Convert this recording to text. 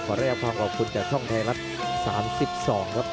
ได้รับความขอบคุณจากช่องไทยรัฐ๓๒ครับ